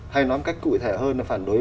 hay nói một cách cụ thể hơn là phản đối